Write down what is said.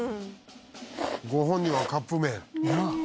ご本人はカップ麺。